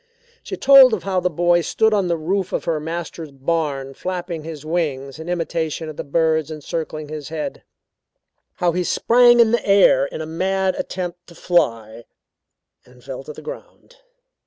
She told of how the boy stood on the roof of her master's barn flapping his arms in imitation of the birds encircling his head; how he sprang in the air in a mad attempt to fly, and fell to the ground.